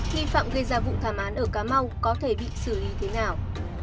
nghi phạm gây ra vụ thảm án ở cà mau có thể bị xử lý thế nào